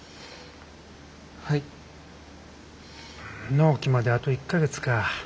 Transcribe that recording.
納期まであと１か月か。